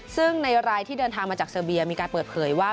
ซึ่งในรายที่เดินทางมาจากเซอร์เบียมีการเปิดเผยว่า